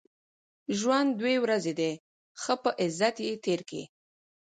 ژوند دوې ورځي دئ؛ ښه په عزت ئې تېر کئ!